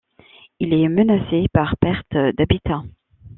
Il est menacé par perte d'habitats.